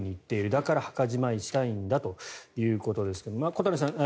だから墓じまいしたいんだということですが小谷さん